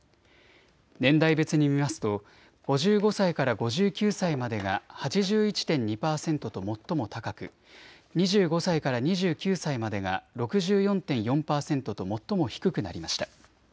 年代別に見ますと５５歳から５９歳までが８１．２％と最も高く２５歳から２９歳までが６４．４％と最も低くなりました。